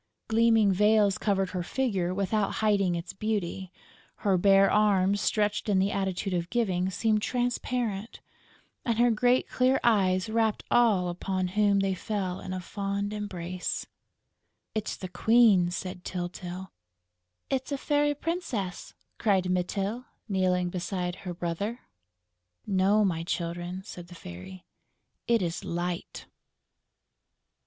Gleaming veils covered her figure without hiding its beauty; her bare arms, stretched in the attitude of giving, seemed transparent; and her great clear eyes wrapped all upon whom they fell in a fond embrace. "It's the Queen!" said Tyltyl. "It's a Fairy Princess!" cried Mytyl, kneeling beside her brother. "No, my Children," said the Fairy. "It is Light!"